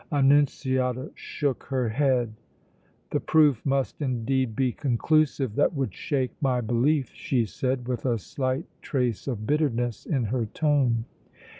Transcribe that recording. Annunziata shook her head. "The proof must, indeed, be conclusive that would shake my belief!" she said, with a slight trace of bitterness in her tone.